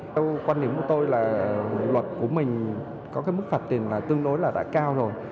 theo quan điểm của tôi là luật của mình có cái mức phạt tiền là tương đối là đã cao rồi